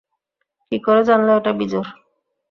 কী করে জানলে এটা বিজোড়?